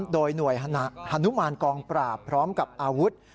โดยหน่วยฮานุมานกองปราบพร้อมกับอาวุธ